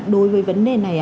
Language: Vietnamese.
đối với vấn đề này